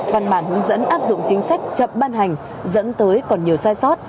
văn bản hướng dẫn áp dụng chính sách chậm ban hành dẫn tới còn nhiều sai sót